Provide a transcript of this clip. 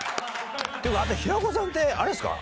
っていうか平子さんってあれですか？